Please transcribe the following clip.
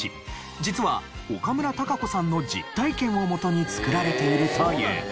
実は岡村孝子さんの実体験を基に作られているという。